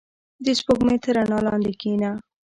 • د سپوږمۍ تر رڼا لاندې کښېنه.